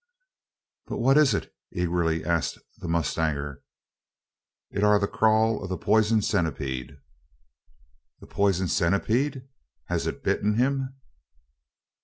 "But what is it?" eagerly asked the mustanger. "It air the crawl o' the pisen centipede." "The poison centipede! Has it bitten him?"